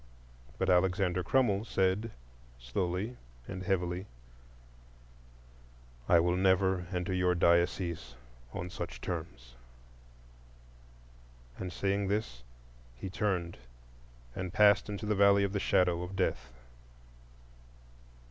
But Alexander Crummell said, slowly and heavily: "I will never enter your diocese on such terms." And saying this, he turned and passed into the Valley of the Shadow of Death.